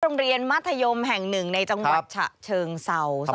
โรงเรียนมัธยมแห่งหนึ่งในจังหวัดเชิงเศรา